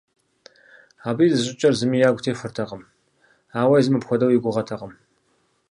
Абы и зыщӏыкӏэр зыми ягу техуэртэкъым, ауэ езым апхуэдэу и гугъэтэкъым.